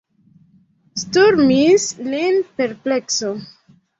Sturmis lin perplekso.